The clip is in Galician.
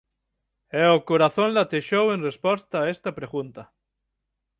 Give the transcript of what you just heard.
E o corazón latexou en resposta a esta pregunta.